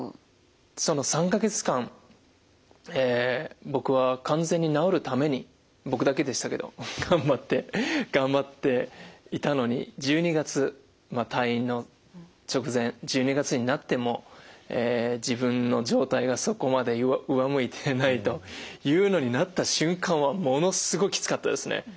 その３か月間僕は完全に治るために僕だけでしたけど頑張って頑張っていたのに１２月退院の直前１２月になっても自分の状態がそこまで上向いてないというのになった瞬間はものすごくきつかったですね。